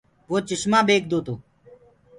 وو چشمآ ٻيڪدو تو۔